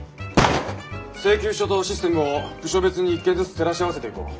請求書とシステムを部署別に一件ずつ照らし合わせていこう。